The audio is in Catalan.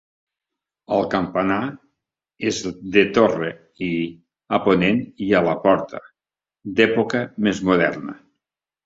El campanar és de torre i a ponent hi ha la porta, d'època més moderna.